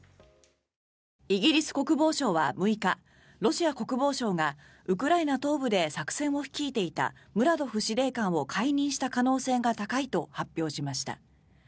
イギリス国防省は６日ロシア国防省がウクライナ東部で作戦を率いていたムラドフ司令官を解任した可能性が高いと発表しました。